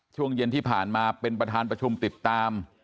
ช่วงเย็นที่ผ่านมาเป็นประธานประชุมติดตาม